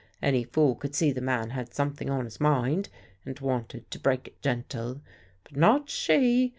Any fool could see the man had something on his mind and wanted to break it gentle. But not she!